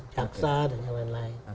jaksa dan lain lain